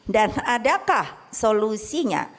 dan adakah solusinya